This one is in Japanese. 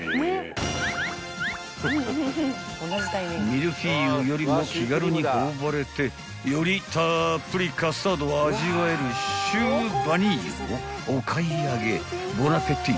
［ミルフィーユよりも気軽に頬張れてよりたっぷりカスタードを味わえるシュー・ヴァニーユもお買い上げボナペティ］